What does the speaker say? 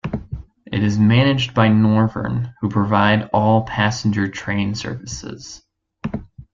It is managed by Northern, who provide all passenger train services.